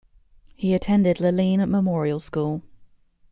He attended Lelean Memorial School.